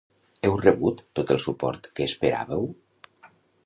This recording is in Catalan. Heu rebut tot el suport que esperàveu?